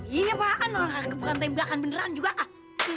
gini apaan orang kakek bergantai belakang beneran juga ah